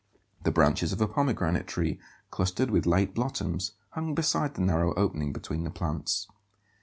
The branches of a pomegranate tree, clustered with late blossoms, hung beside the narrow opening between the plants.